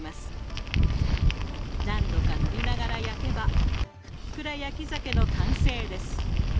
何度か塗りながら焼けばふっくら「焼き鮭」の完成です。